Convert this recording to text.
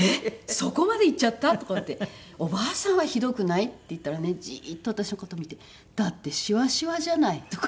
そこまでいっちゃった？」とかって「おばあさんはひどくない？」って言ったらねジーッと私の事を見て「だってシワシワじゃない」とか。